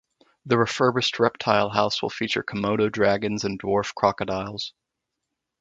The refurbished Reptile House will feature Komodo dragons and dwarf crocodiles.